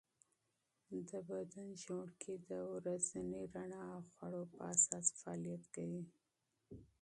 د بدن ژوڼکې د ورځني رڼا او خوړو په اساس فعالیت کوي.